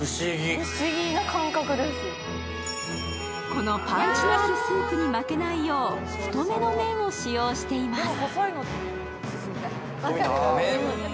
このパンチのあるスープに負けないよう太めの麺を使用しています。